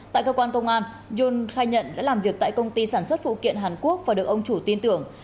tại cơ quan công an yon khai nhận đã làm việc tại công ty sản xuất phụ kiện hàn quốc và được ông chủ tin tưởng